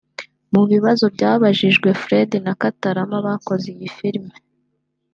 Mu bibazo byabajijwe Fred na Kantarama bakoze iyi filime